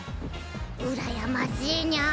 うらやましいニャ。